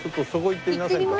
行ってみますか？